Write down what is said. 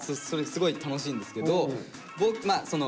すごい楽しいんですけど男の。